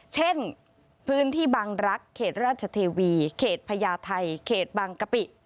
เช่นพื้นที่บางรักเขตราชเทวีเขตพญาไทยเขตบางกะปิ